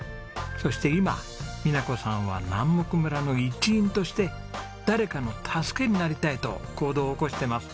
そして今美奈子さんは南牧村の一員として誰かの助けになりたいと行動を起こしてます。